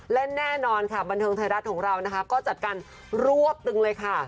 และแน่นอนค่ะบันเทิงไทยรัฐของเรานะคะก็จัดการรวบตึงเลยค่ะ